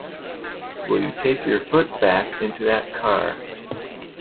Will you take your foot back into that car?